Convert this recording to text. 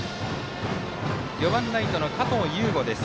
４番ライトの加藤右悟です